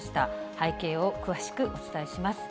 背景を詳しくお伝えします。